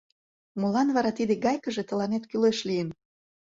— Молан вара тиде гайкыже тыланет кӱлеш лийын?